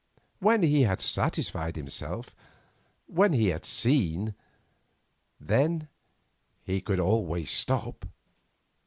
When he had satisfied himself; when he had seen; then he could always stop.